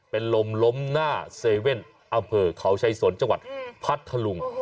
เป็นลมล้มหน้าเว่นอำเภอเขาชายสนจังหวัดพัทธลุง